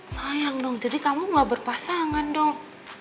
sayang dong jadi kamu gak berpasangan dong